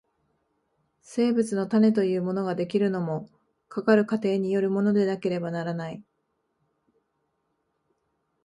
生物の種というものが出来るのも、かかる過程によるものでなければならない。